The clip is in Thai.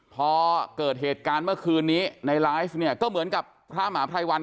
พอเกิดเหตุการณ์เมื่อคืนนี้ในไลฟ์เนี่ยก็เหมือนกับพระหมาไพรวัน